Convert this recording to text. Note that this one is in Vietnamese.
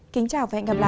kính chào và hẹn gặp lại